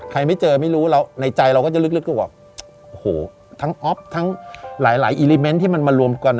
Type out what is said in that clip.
ใครไม่เจอไม่รู้ในใจเราก็จะลึกว่าทั้งออฟทั้งหลายอิลิเมนต์ที่มันมารวมกัน